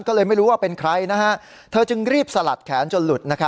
ก็เลยไม่รู้ว่าเป็นใครเธอจึงรีบสลัดแขนจนหลุด